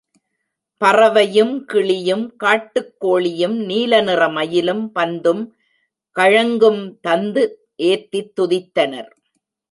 பறவையும், கிளியும், காட்டுக் கோழியும், நீல நிறமயிலும், பந்தும், கழங்கும் தந்து ஏத்தித் துதித்தனர்.